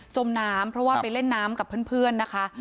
มน้ำเพราะว่าไปเล่นน้ำกับเพื่อนนะคะ